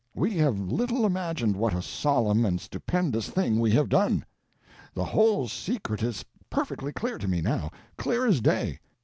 We have little imagined what a solemn and stupendous thing we have done. The whole secret is perfectly clear to me, now, clear as day.